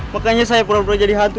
makanya saya pura pura jadi hantu